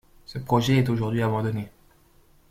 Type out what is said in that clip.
Ce projet est aujourd'hui abandonné.